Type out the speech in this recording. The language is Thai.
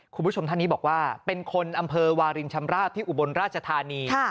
คุณผู้ชมท่านนี้บอกว่าเป็นคนอำเภอวารินชำราบที่อุบลราชธานี